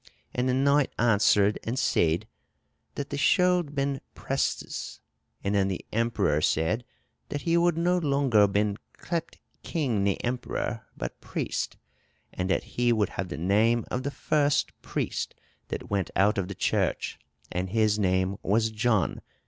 And the knyght answerede and seyde, that thei scholde ben prestes. And then the emperour seyde, that he wolde no longer ben clept kyng ne emperour, but preest: and that he wolde have the name of the first preest, that wente out of the chirche; and his name was John.